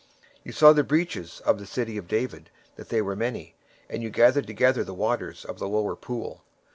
23:022:009 Ye have seen also the breaches of the city of David, that they are many: and ye gathered together the waters of the lower pool.